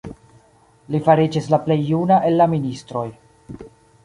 Li fariĝis la plej juna el la ministroj.